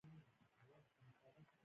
اکرم اکا اوږې واچولې.